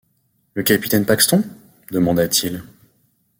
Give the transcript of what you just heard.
Le capitaine Paxton ?... demanda-t-il.